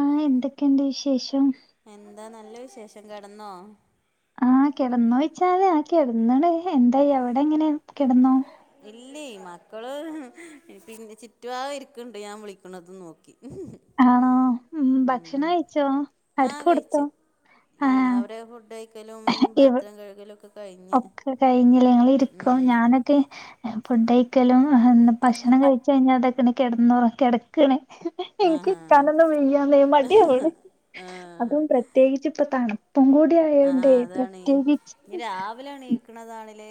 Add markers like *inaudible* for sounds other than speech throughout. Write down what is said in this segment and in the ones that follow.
ആഹ് എന്തൊക്കെയുണ്ട് വിശേഷം എന്താ നല്ല വിശേഷം കിടന്നോ ആഹ് കിടന്നോയ്ച്ചാല് ആഹ് കിടന്ന്ണ് എന്തായി എവിടെ എങ്ങനെ കിടന്നോ ഇല്ലേ മക്കള് പിന്നെ ചുറ്റുപാക ഇരിക്ക്ണ്ട് ഞാൻ വിളിക്ക്ണത് നോക്കി ആണോ ഉം ഭക്ഷണം ഉം കഴിച്ചോ? ആർക്ക് ആഹ് കൊടുത്തോ? കഴിച്ചു ഉം ആഹ് അവിടെ ഫുഡ് കഴി ക്കലും ഇവ് പാത്രം കഴുകലും ഒക്കെ കഴിഞ്ഞ് ഒക്കെ കഴിഞ്ഞില്ലേ ഇങ്ങള് ഇരിക്കും ഞാനക്കെ ഫുഡ്ഴിക്കലും ഭക്ഷണം കഴിച്ച കഴിഞ്ഞാ ഇതൊക്ക കിടന്ന് കിടക്കണ് എനിക്ക് ആഹാ *unintelligible* വെയ്യന്ന് മാട്ടിയാവ്ണ് ആഹ് അതും പ്ര പ്രത്യേകിച്ച് ഇപ്പ താണ് പ്പു കൂ ആഹ് അതാണ് ഇനി രാവിലെണീക്കണതാണിലേ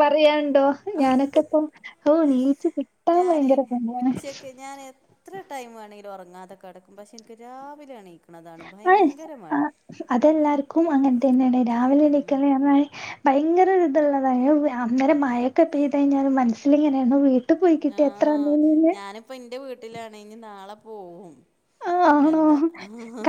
പറയണ്ടോ ഞാനൊക്കെ ഇപ്പം ഹു നീച്ച് കിട്ടാ ഞാന് ഭയങ്കര പണിയാണ് ഉച്ചക്ക് ഞാന് ഇത്ര ടൈം വേണലും ഉറങ്ങാതെ കടക്കും പക്ഷെ എനിക്ക് രാവിലെ എണീക്ക്ണതാണ് ആഹ് ഭയങ്കര മടി ആഹ് അതെല്ലാർക്കും അങ്ങനെ തന്നെണ് രാവിലെ എണിക്ക്ണ *unintelligible* ഭയങ്കര *unintelligible* അന്നേരം മഴക്കെ എത്തിഴിഞ്ഞാൽ മനസ്സില് ഇങ്ങനെ വീ ഇട്ട് പോയി കിട്യ എത്ര നന്നി നീന്ന് ഇപ്പ ഇന്റെ വീട്ടിലാണ് ഇഞ്ഞ് നാളെ പോവും ആഹ് ആണോ എന്താ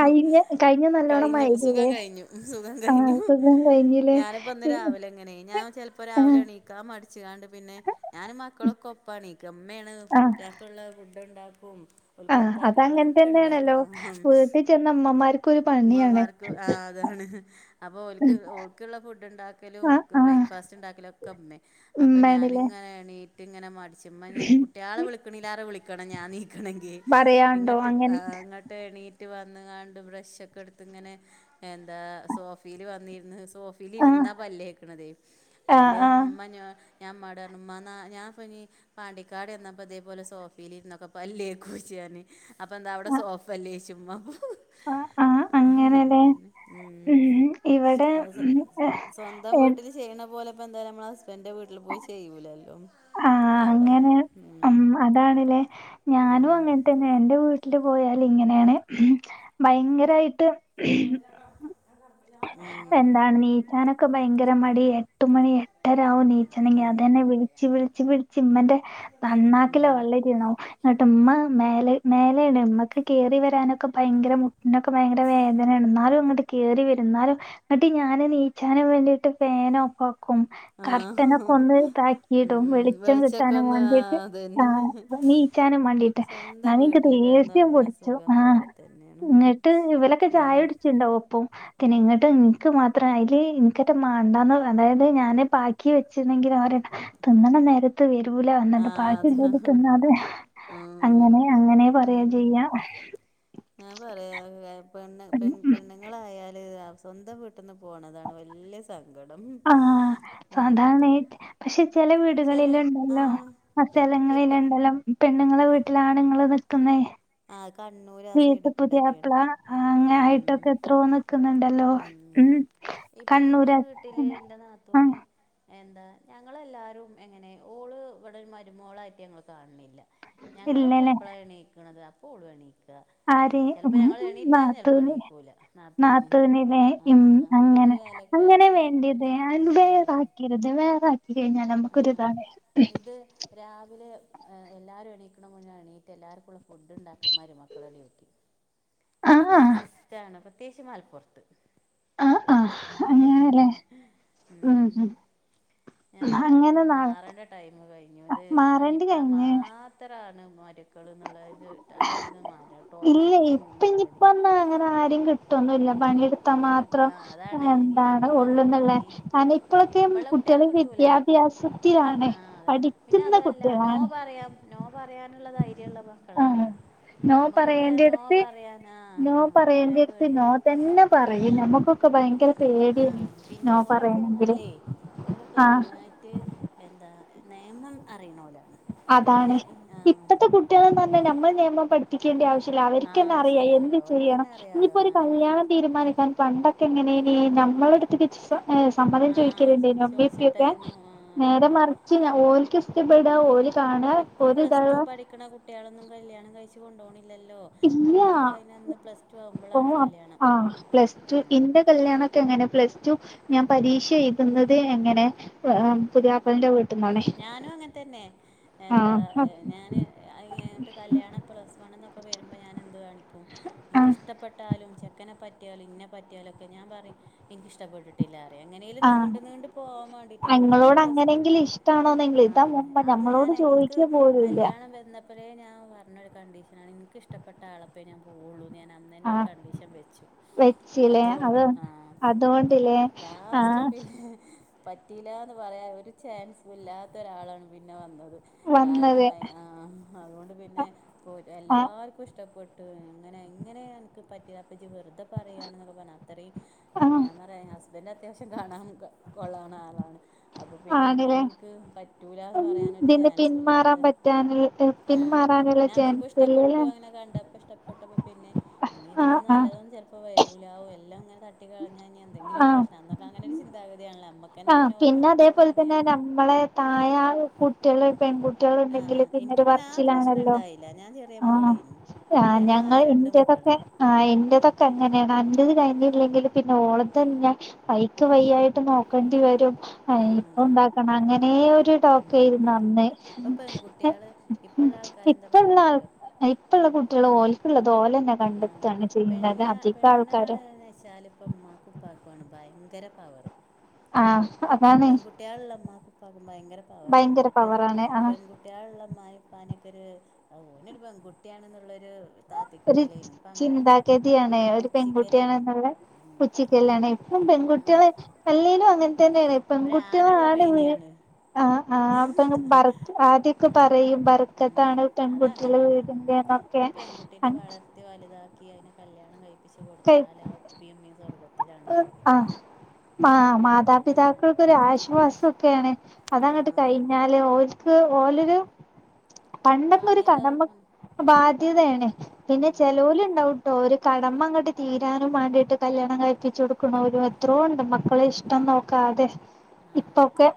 കഴിഞ്ഞ കഴിഞ്ഞ നല്ലോണം മഴ കഴിഞ്ഞു സുഖം പെയ്തില്ലേ കഴിഞ്ഞു സുഖം ആഹ് കഴിഞ്ഞു സുഖം കഴിഞ്ഞില്ലേ ഞാനിപ്പോ ഇന്ന് രാവിലെ ഇങ്ങനെ ഞാൻ ചെലപ്പോ ആഹ് രാവിലെ എണീക്കാ മടിച്ച് കാണ്ട് പിന്നെ ഞാനും മക്കളൊക്കെ ഒപ്പാണെ കിമേണ് ആഹ് കുട്ടിക്കുള്ള ഫുഡ്ണ്ടാക്കും ഓൽക്ക് ആഹ് കൊടുത്തേക്കാളത് അതങ്ങനെ ക്കണ്ടാകും തന്നെയാണല്ലോ ആഹ് വീട്ടിൽ ചെന്ന അമ്മമാർക്കൊരു പണിയാണ് ഇമ്മമാർക്ക് ആഹ് അതാണ് അപ്പൊ ഓക്ക് ഓക്കുള്ള ഫുഡ് ഉണ്ടാക്കലും ആഹ് ആഹ് ബ്രേഫാസ്റ്റ് ഉണ്ടാക്കലും ഒക്കെ ഇമ്മേ അപ്പ ഉമ്മേണ്ല്ലേ ഞാനിങ്ങനെ യണി ഇങ്ങനെ മടിച്ച് ഇമ്മ കുട്ട്യാള വിളിക്ക്ണേരെ വിളിക്കണം ഞാൻ നീക്കണങ്കി പറയാണ്ടോ അങ്ങനെ ഇങ്ങട്ട് എണീറ്റ് വന്ന് കാണ്ട് ബ്രഷ് ഒക്കെ എടുത്ത് ഇങ്ങനെ എന്താ സോഫിൽ വന്നിര്ന്ന് സോ ആഹ് ഇരുന്ന പല്ല്ക്ക്ണതേ ആഹ് അയില് ആഹ് മഞ്ഞ ഞാൻ ഇമാട്‌ പറഞ്ഞു ഇമ്മാ ഞാ പ്പനി പാണ്ടിക്കാട് എന്നപ്പോ ഇതേപോലെ സോഫിലി ഇന്നൊക്കെ പല്ല് കൊയിച്ച് ഞാന് അപ്പ എന്താ അവിടെ ആഹ് സോഫല്ലേ ചുമ ആഹ് ആഹ് അങ്ങനെല്ലേ അഹന്നെ ഉം ഇവിടെ അഹ് ഉം സ്വന്തം എ- വീട്ടിൽ ചെയ്യണ പോലെ ഇപ്പ എന്തായാലും നമ്മൾ ഹസ്ബൻഡന്റെ വീട്ടിൽ പോയി ചെയ്യൂലല്ലോ ആഹ് അങ്ങനെ ഉം അതാണ്ല്ലേ ഞാനും ഉം അങ്ങനെ തന്നെ എന്റെ വീട്ടില് പോയാല് ഇങ്ങനെണ് ഭയങ്കരായിട്ട് ഉം എന്താണ് നീച്ചാനൊക്കെ ഭയങ്കര മടി എട്ടുമണി എട്ടര ആവും നീച്ചനകി ഉം അതെന്നെ വിളി വിള്ച്ച് വിളിച്ച് വിളിച്ച് ഇമ്മന്റെ നന്നാക്കില ഉം വള്ളരിന്നാവും ങ്ങട്ട് ഇമ്മ മേലെ മേലെണ് ഉമ്മക്ക് കേറി വരാനൊക്കെ ഭയങ്കര മു ക്കെ ഭയങ്കര വേദന ഇന്നാലും അങ്ങോട്ട് കയറി വരു ന്നാലും ങ്ങ്ട്ട് ഞാൻ നീച്ചാനും വേണ്ടിട്ട് ഫാന് ഓഫാക്കും ആഹ് കർട്ടനക്കെ ഒന്ന് ഇതാക്കി ഉം ട്ടും വെളിച്ചം വെളിച്ചൊക്കെ കിട്ടാനും ഒന്ന് വണ്ടിട്ട് അതന്നെ ആഹ് നീച്ചാനും മണ്ടിട്ട് ന സ്വന്തം വീട്ടിൽ *unintelligible* കിടന്നുറങ്ങണ പൊടിച്ചു സുഖം ആഹ് വേറെ തന്നെയാണ് ഇങ്ങട്ട് ഇവലക്കെ ചായ ഉം കുടിച്ചുണ്ടാവും ഒപ്പും പിന്നെ ഇങ്ങോട്ട് ഇൻക്ക് മാത്രം അയില് ഇൻക്കറ്റ മണ്ടന്ന് അതായത് ഞാന് പാ ക്കി വെച്ചിരുന്നെങ്കിലും അവരെ തിന്നണ നേരത്ത് വരൂല വന്നിണ്ട് ആഹ് അതാ *unintelligible* തിന്നാതെ ആഹ് അങ്ങനെ അങ്ങനെ പറയാ ഉം ചെയ്യാ ഞാൻ പറയാ പെണ് പെണ്ണ നിങ്ങളായാല സ്വന്തം വീട്ടന്ന് പോകണതാണ് വ സങ്കടം. ആഹ സാ ഉം *unintelligible* പക്ഷെ ചില ചില ആ വീടുകളിലുണ്ടല്ലോ? ഇപ്പൊ സ്ഥലങ്ങളിലുണ്ടല്ലോ? പെണ്ണുങ്ങളെ വീട്ടിലാണങ്ങൾ നിൽക്കുന്നേ ആഹ കണ്ണൂ വീട്ട പുതിയാപ്പ്ള ഉം അങ്ങനെയിട്ടൊക്കെ എത്രയോ നിക്കുന്നുണ്ടോ ഉം ഇപ്പൊ എന്റെ വീട്ടില് എന്റെ ആഹ് നാത്തൂന് എന്താ ഞങ്ങളെല്ലാവരും എങ്ങനെ ഓള് ഇവിടെ മരുമോളായിട്ട് ഞങ്ങൾ കാണ്ണില്ല. ഞങ്ങളൊക്കെ ഇല്ലല്ലേ എപ്പോഴാണ് എണീക്കണത്. അപ്പോ ഓള് എണീക്കാ. ആര് ഉം ചെപ്പോ ഞങ്ങൾ ഉം, എണീറ്റാലും ചിലപ്പോ നാത്തൂന് എണീക്കൂല നാത്തൂന്. *inaudible* ആഹ് അങ്ങനൊരു അങ്ങനെ അങ്ങനെ വേലക്കാരത്തി വേണ്ടിയത് ആയിട്ടുള്ളൊരു ൻ ആഹ് അതാണ് വേറാക്കിയരുത്. വേറാക്കി കഴിഞ്ഞാൽ നമ്മുക്ക് ആഹ് ഒരുതണെ ഇത് രാവിലെ എല്ലാവരും എണീക്കണ മുന്നെ എണീറ്റ് എല്ലാവർക്കുള്ള ഫുഡ് ഉണ്ടാക്കില്ല. മരു മക്കളെ ഡ്യൂട്ടി ആഹ് ആര് സിസ്റ്ററാണ്. പ്രത്യേകിച്ച് മലപ്പുറത്ത്. ആഹ് ആഹ് അങ്ങനെല്ലേ ഉം ഉം ഉം ഞാൻ പറയാ അങ്ങനെ അതൊക്കൊന്ന് നാളെ മാറേണ്ട ടൈം കഴിഞ്ഞു. ഇത് മാറേണ്ടി പണിടുക്കാൻ കഴിഞ്ഞ് മാത്ര അത്രാണ് മരുക്കൾ എന്നുള്ള ആ ഒരുത് മ ടോക്സിക് ചിന്താഗതി. *unintelligible* കിട്ടന്നല്ല ഉം പണിയെടുത്താൽ കിട്ട മാത്രം ആ അതാണ് ഇനി എന്താണ് നമ്മളെ ഉള്ളുന്നുള്ളേ ഇനി ക ഇപ്പോഴക്കെ ഇപ്പള്ള കുട്ടികളെ കുട്ടികൾ കിട്ടൂല വിദ്യാഭ്യാസത്തിലാണ്. ആ അതെ പിന്നെ പഠിക്കുന്ന അതുമല്ല നോ കുട്ടികളാണ്. പറയാം നോ പറയാനുള്ളധൈര്യ ഉള്ളതാ മക്കളാണ് ആഹ് നോ നമ്മുക്കൊക്കെ നോ പറയേണ്ടടുത്ത് പറയാൻ ആ പറയാൻ പേടിയല്ലേ? എല്ലാ പറയും നമ്മക്കൊക്കെ ഭയങ്കര ആ പേടിയ പിന്നെ നോ ഓലൊക്കെ പറയണെങ്കില് പറഞ്ഞാലേ ഓലൊക്കെ ആഹ് മെയിന ആയിട്ട് എന്താ നിയമം അറിയണോലാ. അതാണ് ഇപ്പത്തെ കുട്ടികൾന്ന് പറഞ്ഞ നമ്മളെ നിയമപടി എക്കേണ്ടി ആവശ്യമില്ല. അവർക്ക്ന്ന അറിയാം ആവശ്യല്ലല്ലോ എന്ത് ചെയ്യണം ഓൽക്കന്നെ അറിയാലോ ഇനിയിപ്പോ ആ ഒരു അതാണ് കല്യാണം തീരുമാനിക്കാൻ പണ്ടൊക്കെ എങ്ങനെനി നമ്മള അടുത്ത സമ്മതം ആ ചോദിക്കലുണ്ട്. മ്മിപ്പൊക്കെ ചോദിച്ചിട്ടായിരുന്നു ആ നേരെ അതന്നെ മറിച്ച് ഓൽക് ഇഷ്ടപ്പെട ഇപ്പൊ പ്ലസ് ടു പഠിക്കണ കുട്ടികളൊന്നും കല്യാണം കഴിച്ച് കൊണ്ടോണില്ലല്ലോ? ഇല്ല നമ്മളൊക്കെ അതിനന്ന് പ്ലസ് ടു ഓ ആവുമ്പോഴാണ് കല്യാണം. ഉ കല്യാണക്കെ എങ്ങനെ പ്ലസ് ടു ഞാൻ പരീക്ഷ എഴുതുന്നത് എങ്ങനെ പുതിയാപ്പലന്റെ വീ ഞാനും അങ്ങനെ തന്നെ എന്താ ആഹ് ഞാന് *unintelligible* ങ്ങിട്ട് കല്യാണം പ്ലസ് വൺ എന്നൊക്കെ വരുമ്പോൾ ഞാൻ എന്ത് കാണിക്കു *unintelligible* ആഹ് എനിക്കിഷ്ടപ്പെട്ടാലും ചെക്കനെ പറ്റിയാലും ഇന്നെ പറ്റിയാലും ഒക്കെ ഞാൻ പറയും എനിക്കിഷ്ടപ്പെട്ടി ല്ലാറയും എങ്ങനേലും ആഹ് നീ നീണ്ട് പോവാൻ വേണ്ടീട്ട് എങ്ങനെലും അങ്ങളോട് പ്ലസ് ടു അങ്ങനെങ്കിലും ഇഷ്ടാണോന്നെങ്കിലും ആ ഇതാ മുമ്പ് അത് ഞാൻ നമ്മളോട് എനിക്ക് ചോദിക്ക പോലുല്ല കല്യാണം വര ഇപ്പഴേ ഞാൻ പറഞ്ഞൊരു കണ്ടീഷനാണ് എനിക്കിഷ്ടപ്പെട്ട ആളപ്പേ ഞാൻ പോവുള്ളു. ഞാൻ അന്നേന്നെ ഒരു ആഹ് കണ്ടീഷൻ വെച്ചു വെച്ചില്ലേ അതോണ്ട് അത് ആ അതുകൊണ്ടില്ലേ ലാസ്റ്റ് ആഹ് പിന്നെ പറ്റിയില്ലന്ന് പറയാൻ ഒരു ചാൻസ ഇല്ലാത്ത ഒരാളാണ് പിന്നെ വന്നത്. കാരണം വന്നത് ആഹ അതുകൊണ്ട് പിന്നെ ആഹ് എല്ലാർക്കും ഇഷ്ടപ്പെട്ടു. എങ്ങനെ എങ്ങനെയ എനിക്ക് പറ്റിയ അപ്പ വെറുത *unintelligible* പറ ആഹ് അത്ര പറ ഹസ്ബൻന് അത്യാവ്യ കാണാൻ കൊള്ളാന്ന ആളാണ് അപ്പൊ പിന്നെ ആണ്ല്ലേ എങ്ങനെയ പറ്റൂല പറയാനരു ഇതിന്ന് ചൻസല്ലാെ പിന്മാറാൻ അല്ലാതെ പറ്റാന് ആ പിന്മാറാനുള്ള പിന്നെ നക്ക് ചാൻസ് ഇഷ്ടപ്പെട്ടു ഇല്ലല്ലേ അനെണ്ടപ്പോ ഇഷ്ടപ്പെട്ട പിന്നെ ഇനി ആഹ് ഇതിലൊന്നും ആഹ് നല്ലതൊന്നും ചിലപ്പോ വരൂല എല്ലാം ഇങ്ങനെ തട്ടി കളഞ്ഞാ ഇനി എന്തെങ്കിലും ആഹ് പ്രശ്നം അന്ന അങ്ങനൊയക്കെ ചിന്താഗതിയാണല്ല അമ്മക്ക് ആഹ് പിന്നെ അതേപോലെ തന്നെ നമ്മളെ തായ കുട്ടികള പെൺകു ട്ടിയള് ണ്ടെങ്കിൽ ആഹ് എനിക്ക് പിന്നെരു പിന്നെ ആ പ്രശ്നം പറച്ചിലാണല്ലോ ഉണ്ടായില്ല ഞാൻ ചെറിയ ആഹ് മോളേനു ആഹ് ഞങ്ങ ഞങ്ങളാകെ രണ്ട് മക്കളാ ഇറതൊക്കെ ആഹ് എന്റെതൊക്കെ അങ്ങനെയാണ് അന്റെത് കഴി ഇല്ലെങ്കിൽ പിന്നെ ഓളത്തന്ന ഞാൻ വൈക്ക് വയ്യായിട്ട് നോക്കേണ്ടിവരും ആഹ് അയിനിപ്പോ അതാണ് ഉണ്ടാക്കണം അങ്ങനെയൊരു ടോ ക്കെർന്നു ഉം അന്ന് ഇപ്പൊ പെൺകുട്ടികള് ഇപ്പള്ള ആൾക്കാരെന്താ ഇപ്പല്ല പറയണറിയോ ആഹ് ഇപ്പളെകുട്ടിയാൾ ഓൾക്കില്ലാത് ഓലന്നെ കണ്ടതാണ് ചെയ്യുന്നത് അതികൾക്കാരും എന്താണ്ചാലിപ്പോ ഇമ്മാക്കും ഇപ്പാക്കാണ് ഭയങ്കര പവർ ആഹ് അതാ പെൺകുട്ട്യാളില്ല ഇമ്മക്കും ഇ പ്പാക്കുഭയകര പവറാണ് ഭയങ്കര മറ്റത് പവറാണ് ആഹ് പെൺ കുട്ടികളില്ല ഇമ്മനിപ്പനെക്കൊരു ഓനരു പെൺകുട്ടിയാണെന്നുള്ളരു ഒരു ആ ചിന്താഗതിയാണ് ഒരു പെൺകുട്ടിയാണ് പുച്ചിക്കലേനു ന്നിള്ളെ ഉം പുച്ഛിക്കലാണ് ഇപ്പം ആ ആ പെൺകുട്ടികളെ നല്ലീനും അങ്ങനെ അങ്ങൻതന്നെണ് പെൺകുട്ടിയാള് വീ ആ ആ അപ്പം അഹ് ബർ ആദ്യൊക്കെ അഹ് പറയും ബർക്കത്താണ് അത് പെൺകുട്ടികളെ അങ്ങനെണ്. വീടിന്റെ എന്നൊക്കെ ഒരു പെൺകുട്ടനെ വളർത്തി വലുതാക്കി അതിനെ കല്യാണം കഴിപ്പിച്ച് കൊടുത്താൽ ആഹ് ഉപ്പിം ഉമ്മിം സ്വർഗ്ഗത്തി ആഹ് അത്രയും ഉം മാതാപിതാക്കൾക്കൊ ഒരു ആശ്വാസെക്കെയാണ് ആ അതങ്ങോട്ട് അതന്നെ കഴിഞ്ഞാല് ഓലക്ക് ഓലൊരു പണ്ടെന്നരു ബാധ്യത കടമ ബാധ്യതയാണ്പിന്നെ ഉം ചെലോല് ഇണ്ടാവും ഒരു കടമ അങ്ങോട്ട് തീരാനും മാണ്ടീട്ട് കല്യാണം കഴിപ്പിച്ചോട്ക്ക്ണോലും എത്രോ ഉണ്ട് ളെ ഇഷ്ടം നോക്കാതെ ഇപ്പൊക്കെ. ആഹ്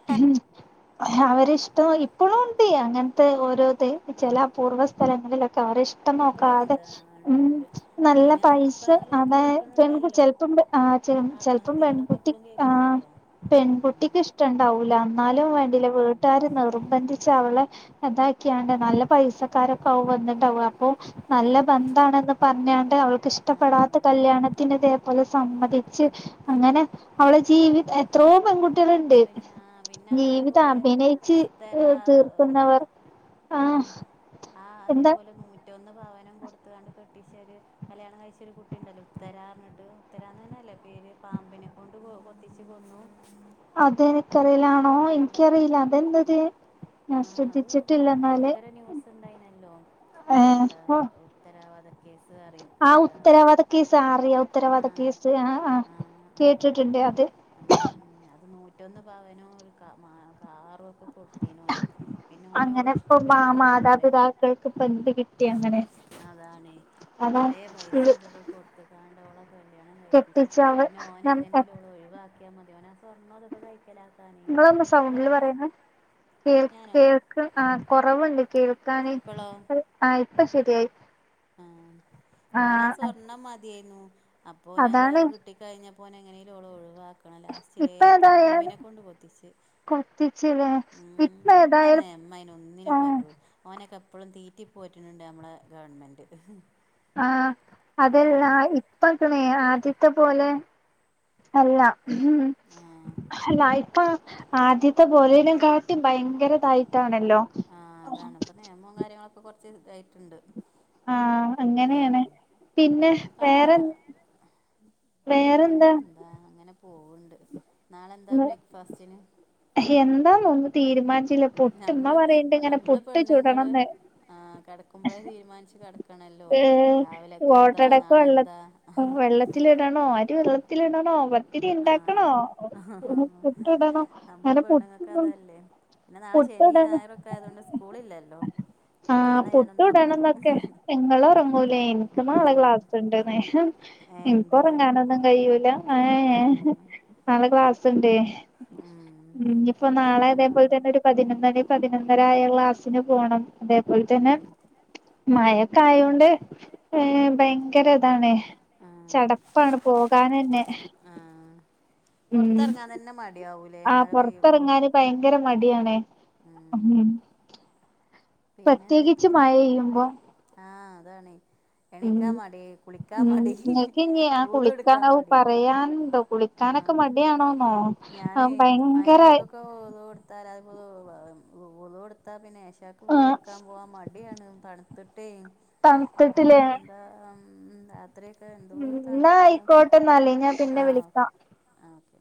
അവരിഷ്ടം ഇപ്പളും ഉണ്ടേ അങ്ങനത്തെ ഓരോ ഇത് ചില പൂർവ സ്ഥലങ്ങളിലൊക്കെ അവരെഷ് ഷ്ട്ടം എപ്പളും നോക്കാതെ ഉണ്ട് ആ ഉണ്ട് ഉണ്ട് നല്ല അതിന് പൈസ ഇപ്പളും അത *unintelligible* കേൾക്കണുണ്ടല്ലോ ചെല്പം അഹ് ചെലപ്പം ആത്മഹത്യകളൊക്കെ പെൺകുട്ടി ഇപ്പളും ആഹ് കേൾക്കണ്ടല്ലോ ഉം പെൺകുട്ടിക്ക് ഇഷ്ടണ്ടാവൂല എന്നാലും ആ വേണ്ടിലെ അതന്നെ വീട്ടുകാര് നിർബന്ധിച്ച് അവളെ എതാക്കിയാണ്ട് നല്ല പൈസക്കാര വന്നിണ്ടാവും അപ്പൊ നല്ല ഉം ബന്ധാണെന്ന് പറഞ്ഞാണ്ട് ആ അവൾക്കിഷ്ടപ്പെടാത്ത അതന്നെ കല്യാണ തെപോലെ സമ്മതിച്ച് അങ്ങനെ അവള ജീവിത എത്രോ പെൺകുട്ടികളുണ്ട് പിന്നെ പിന്നെ ജീവിതം അതേപോലെ അഭിനയിച്ച് ഏ തീർക്കുന്നവർ ആഹ് ആഹ് എന്താ അതേപോലെ നൂറ്റൊന്ന് പവനം കൊടുത്താണ്ട് കെട്ടിച്ചേര് കല്യാണം കഴിച്ച ഒരു കുട്ടി ഉണ്ടല്ലോ ഉത്തരാ പറഞ്ഞിട്ട് ഉത്തരന്ന് നന്നെല്ലേ പേര് പാമ്പിനെ കൊണ്ട് കൊത്തിച്ചു കൊന്നു. അതെനിക്കറിലാണോ എനിക്കറിയില്ല അതെന്തത് ഞാൻ ആഹ് അത് ശ്രദ്ധിച്ചിട്ടില്ലെന്നാല് ഭയങ്കര ന്യൂസ് ഏഹ് ഉത്തരവാദക്ക കേസ് റിയും ആഹ് ഉത്തരവാദ കേസ് ആറിയ ഉത്തരവാദ ആഹ് കേസ് ആഹ് ആഹ് കേട്ടിട്ടുണ്ട് അത്. അത് നൂറ്റൊന്ന് പവനും ഒരു കാറും ഒക്കെ പിന്നെ ഓന ഓള അങ്ങനെ ഇപ്പൊ ഇഷ്ടപ്പെട്ടി മാ ണ്ടായിരില്ലത്ര മാതാപിതാക്കൾക്ക് ഇപ്പ എന്ത് കിട്ടി അങ്ങനെ അതാണ് കൊറ അതാണ് പൈസ ഇത് ഇതൊക്കെ കൊട് ഇട്ട്ക്കാണ്ടോളൊ കല്യാണം കഴിപ്പിച്ച് കെട്ടിച്ചവ പിന്നെ ഓന്ഓളോ നം എങ്ങനെേലും ഒഴവാക്കിയാ മതി ഓന് സ്വർണം ഇതൊക്കെ കഴിക്കലാക്കാ നേനു ലാസ് കേ ഞാനോ കേൾക്കും ആഹ് കൊറവുണ്ട് കേൾക്കാന് ഇപ്പളോ ആഹ് ഇപ്പൊ ശരിയായി ഓനാ ആഹ് സ്വർണം മതിയായിരുന്നു അപ്പോ ഓനത് അതാണ് കിട്ടി കഴിഞ്ഞ പോനെ എങ്ങനെലും ഓളെ ഒഴിവാക്കണം ലാസ്റ്റിലേ ഇപ്പ ഏതായാലും പാമ്പിനെ കൊണ്ട് കൊത്തിച്ച്. കൊത്തിച്ചില്ലേ ഇപ്പ നമ്മളെ ഏതായാലും നിയമം ഒന്നിനും ആഹ് പറ്റൂല. ഓനെയൊക്കെ എപ്പോഴും തീറ്റി പോറ്റ്ണിണ്ട് നമ്മളെ ഗവണ്മെന്റ് അതെല്ല ഇപ്പൊണ ആദ്യത്തെ പോലെ അല്ല ഹും ആ അല്ല ഇപ്പ ആദ്യത്തെ പോലേനും കാട്ടി ഭയങ്കര ഇതായിട്ടാണല്ലോ. ആ അതാണ് ഇപ്പം നെയമോം കാര്യങ്ങളൊക്കെ കൊറച്ച്തായിട്ടുണ്ട് ആഹ് ഉം അങ്ങനെയാണ് പിന്നെ പ്പാ വേറെ അ വേറെന്താ വേറെൻ ആ അങ്ങനെ പോവുണ്ട് നാളെന്താ ബ്രേക്ക്ഫാസ്റ്റിന് എന്താന്നൊന്നും തീരുമാനിച്ചില്ല പുട്ട് ഇമ്മ നമ്മള് പറയണ്ട് ഇങ്ങനെ പുട്ട് ചുടണംന്ന് ആഹ് കെടക്കും ക്കുമ്പോളെ തീരുമാനിച്ച് കെടക്കണല്ലോ ഏഹ് രാവിലേക്കെന്താ നാളെ എന്താ ലിടണൊ അരി വെള്ളത്തിലിടണൊ പ ത്തിരി ആ ഇണ്ടാക്കണോ പുട്ട് ഇടണം നമ്മള് അങ്ങനെ പുട്ട് പെണ്ണുങ്ങൾക്ക് അതല്ലേ പിന്നെ നാളെ ശനി ഞായറൊക്ക ആയതോണ്ട് സ്കൂളില്ലല്ലോ നാളെ ഞാനൊന്ന് ഒറങ്ങും നിങ്ങൾ ഒറങ്ങൂലേ എനിക്ക് നാളെ ക്ലാസ്ണ്ട് ന്നേരം ഏ എനിക്ക് ഉണ്ടല്ലേ ഒറങ്ങാനൊന്നും കഴിയൂല ആ ഏഹ് നാളെ ക്ലാസുണ്ടേ ഉം ഇനി ഇപ്പോ നാളെ ഇനി ഒന്ന് ഉറങ്ങും അതേപോൽതന്നെ ഒരു പതിനൊന്നണി പതിനൊന്നര ആയ ക്ലാസ്സിന് പോണം അതേപോൽ തന്നെ ഉം മഴയൊക്ക ആയോണ്ട് ഏ ഭയങ്കര ഇതാണ് ആ ചട പ്പാണ് പോകാനന്നെ ആഹ് ഉം പൊറത്തെറങ്ങാൻ തന്നെ മടി ആവൂലേ ആ മഴ പെയ്യുംമ്പോ പൊറത്തിറങ്ങാന് ഭയങ്കര മടിയാണെ പിന്നെ പ്രത്യേകിച്ച് എന്തൊക്കെ മഴ പെയ്യുംമ്പോ ആഹ് അതാണെ എണീക്കാൻ മടി കുളിക്കാ ഉം മടി നിങ്ങൾക്ക് ഇനി ആ ഉളൂഹ് എടുക്കാ കുളിക്കാനാവും മടി പറയാനുണ്ടോ കുളിക്കാനൊക്കെ ആഹ് മടിയാണോന്നോ ആ ഞാനെ ഭയങ്കര മൈരിബിക്ക്ക്കെ ഉളൂഹ് എടു ത്തലാപ്പൊ ഉളുഹ് എടുത്താ പിന്നെ അയ്ശാക്ക് ആ ഉളുഹ് എടുക്കാൻ പോവാൻ മടിയാണ് തണു ത്തിട്ടെ തണുത്തിട്ടില്ലേ എന്താ ഉം രാ ത്രിയൊക്ക ഉം എന്തോരു എന്നാ തണുപ്പാണ് എന്നാ ആയിക്കോട്ടെന്നാല് ആയിക്കോട്ടെ എന്നാല് ഞാൻ പിന്നെ വിളിക്കാ ആഹ് ഓക്കെ വിളിക്കാം ആ ഓക്കെ